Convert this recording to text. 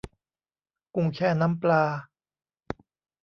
กุ้งแช่น้ำปลา